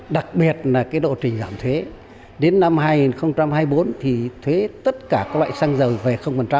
đặc biệt là độ trình giảm thuế đến năm hai nghìn hai mươi bốn thì thuế tất cả các loại xăng dầu về